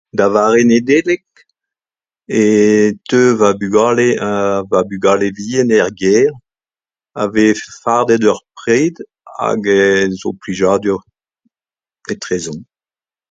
Da vare Nedeleg e teu va bugale ha va bugale-vihan er gêr ha vez fardet ur pred ha zo plijadur etrezomp.